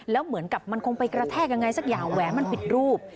แล้วเหมือนกับมันคงไปกระแทกยังไงสักอย่างแหวนมันผิดรูป